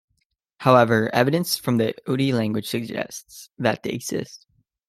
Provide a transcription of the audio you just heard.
However, evidence from the Udi language suggests that they exist.